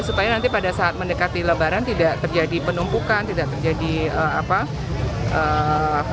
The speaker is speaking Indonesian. supaya nanti pada saat mendekati lebaran tidak terjadi penumpukan tidak terjadi apa